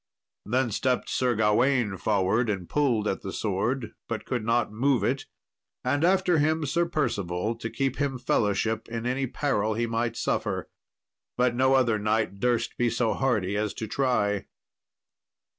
Then stepped Sir Gawain forward and pulled at the sword, but could not move it, and after him Sir Percival, to keep him fellowship in any peril he might suffer. But no other knight durst be so hardy as to try.